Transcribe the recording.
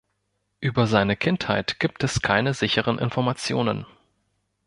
Über seine Kindheit gibt es keine sicheren Informationen.